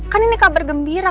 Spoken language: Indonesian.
kan ini kabar gembira